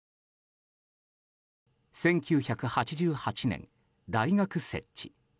１９８８年、大学設置。